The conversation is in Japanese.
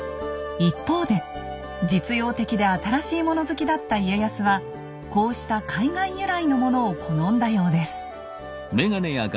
一方で実用的で新しいもの好きだった家康はこうした海外由来のものを好んだようです。